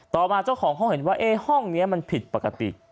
ต่อมาเจ้าของห้องเห็นว่าห้องนี้มันผิดปกติ